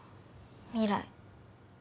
未来